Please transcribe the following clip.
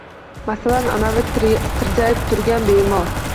Masalan, anavi tirjayib turgan bemor...